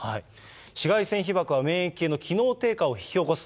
紫外線被ばくは免疫系の機能低下を引き起こす。